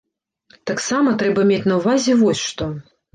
Таксама трэба мець на ўвазе вось што.